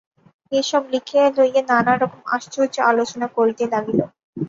এ-সব লিখিয়া লইয়া নানারকম আশ্চর্য আলোচনা করিতে লাগিল।